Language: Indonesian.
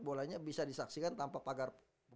bolanya bisa disaksikan tanpa pagar